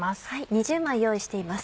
２０枚用意しています。